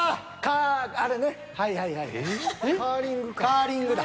カーリングだ。